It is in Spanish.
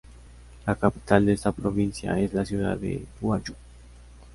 La capital de esta provincia, es la ciudad de Huacho.